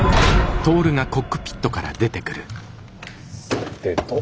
さてと。